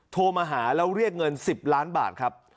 โทรมาหาแล้วเรียกเงิน๑๐ล้านบาทครับ